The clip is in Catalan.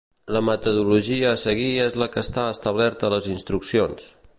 La metodologia a seguir és la que està establerta a les Instruccions.